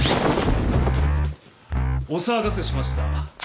お騒がせしました。